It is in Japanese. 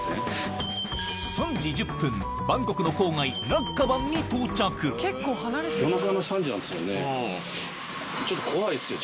３時１０分バンコクの郊外ラッカバンに到着夜中の３時なんですよね？